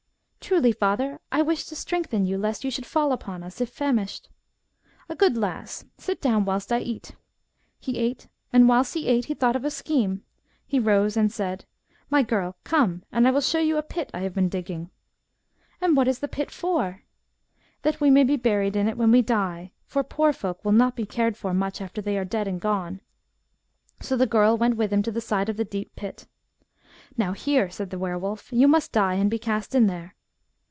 "' Truly, father, I wished to strengthen you, lest you should fall upon us, if famished !'"* A good lass ! Sit down whilst I eat.' He ate, and whilst he ate he thought of a scheme. He rose and said :' My girl, come, and I will show you a pit I have been digging.' FOLK LORE RELATING TO WERE WOLVES. 125 "' And what is the pit for ?'"' That we may be buried in it when we die, for poor folk will not be cared for much after they, are dead and gone.' " So the girl went with him to the side of the deep pit. * Now hear,' said the were wolf, *you must die and be cast in there.'